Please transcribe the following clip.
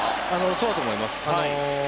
そうだと思います。